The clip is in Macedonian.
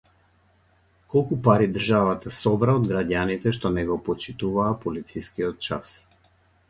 Колку пари државата собра од граѓаните што не го почитуваа полицискиот час